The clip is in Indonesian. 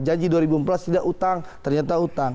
janji dua ribu empat belas tidak utang ternyata utang